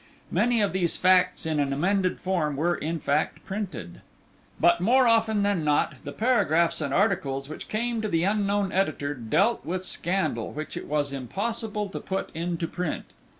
Many of these facts in an amended form were, in fact, printed. But more often than not the paragraphs and articles which came to the unknown editor dealt with scandal which it was impossible to put into print.